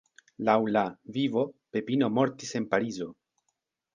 Laŭ la "Vivo", Pepino mortis en Parizo.